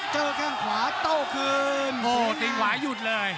เจาะแค่งขวาเต้าคืน